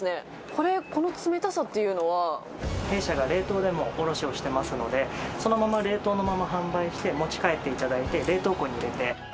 これ、弊社が冷凍でも卸をしてますので、そのまま冷凍のまま販売して、持ち帰っていただいて、冷凍庫に入れて。